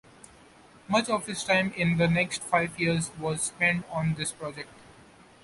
Much of his time in the next five years was spent on this project.